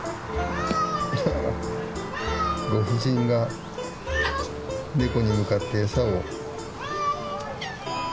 ご婦人がネコに向かって餌を。